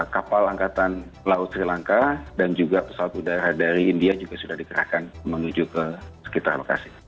kapal angkatan laut sri lanka dan juga pesawat udara dari india juga sudah dikerahkan menuju ke sekitar lokasi